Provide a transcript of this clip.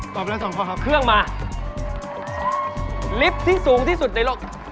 เมื่อกี้คุณตอบแล้ว๒ข้อนะเครื่องมาเหลือไทย